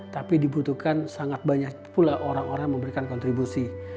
tapi dibutuhkan sangat banyak pula orang orang yang memberikan kontribusi